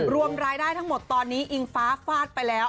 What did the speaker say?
รวมรายได้ทั้งหมดตอนนี้อิงฟ้าฟาดไปแล้ว